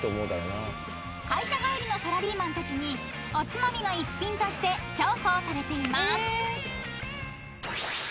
［会社帰りのサラリーマンたちにおつまみの一品として重宝されています］